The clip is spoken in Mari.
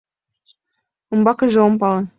Умбакыже ом пале.